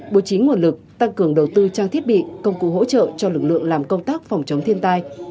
bố trí nguồn lực tăng cường đầu tư trang thiết bị công cụ hỗ trợ cho lực lượng làm công tác phòng chống thiên tai